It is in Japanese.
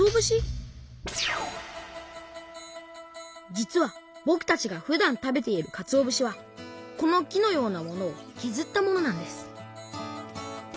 実はぼくたちがふだん食べているかつお節はこの木のようなものをけずったものなんです